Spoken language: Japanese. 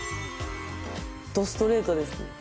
ドストレートです。